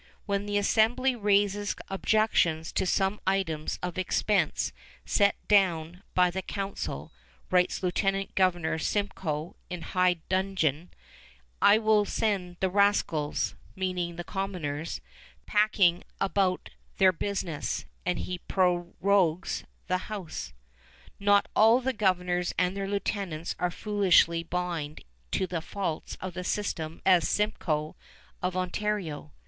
When the assembly raises objections to some items of expense sent down by the council, writes Lieutenant Governor Simcoe in high dudgeon, "I will send the rascals," meaning the commoners, "packing about their business," and he prorogues the House. Not all the governors and their lieutenants are as foolishly blind to the faults of the system as Simcoe of Ontario.